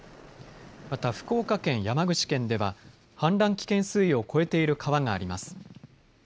また福岡県、山口県では氾濫危険水位を超えている川があります。